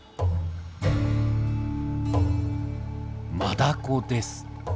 マダコです。